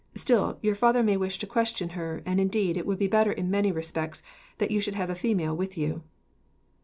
Still, your father may wish to question her, and, indeed, it would be better in many respects that you should have a female with you."